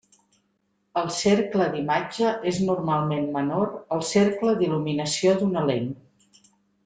El cercle d'imatge és normalment menor al cercle d'il·luminació d'una lent.